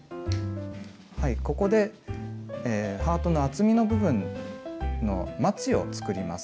ここでハートの厚みの部分のまちを作ります。